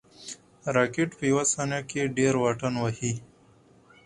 راکټ په یو ثانیه کې ډېر واټن وهي